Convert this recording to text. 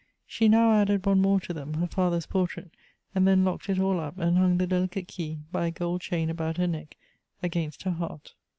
She now added one more to them, her fath^ 's portrait, and then locked it all up, and hung the delicate key by a gold chain about her neck, .against her heart.